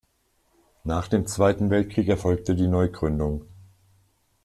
Nach dem Zweiten Weltkrieg erfolgte die Neugründung.